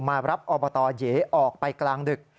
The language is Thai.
มารับอบตเย๋ออกไปกลางดึก